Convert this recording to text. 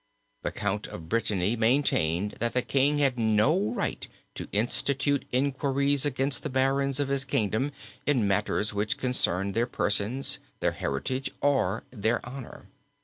The Count of Brittany maintained that the king had no right to institute inquiries against the barons of his kingdom in matters which concerned their persons, their heritage or their honour.